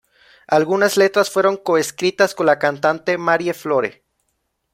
Algunas letras fueron co-escritas con la cantante Marie-Flore.